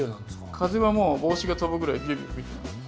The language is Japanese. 風はもう帽子が飛ぶぐらいビュービュー吹いてますね。